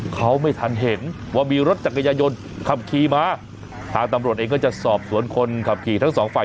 เขาไม่ทันเห็นว่ามีรถจักรยายนขับขี่มาทางตำรวจเองก็จะสอบสวนคนขับขี่ทั้งสองฝ่าย